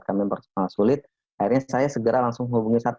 kami bersama sulit akhirnya saya segera langsung hubungi tim satgas